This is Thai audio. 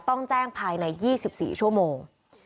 ต้องแจ้งภายใน๒๔ชั่วโมง